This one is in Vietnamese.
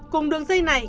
cùng đường dây này